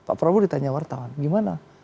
pak prabowo ditanya wartawan gimana